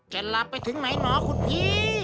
หลับไปถึงไหนเหรอคุณพี่